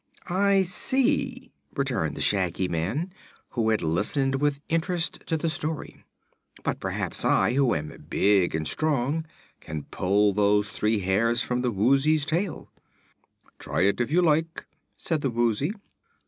"I see," returned the Shaggy Man, who had listened with interest to the story. "But perhaps I, who am big and strong, can pull those three hairs from the Woozy's tail." "Try it, if you like," said the Woozy.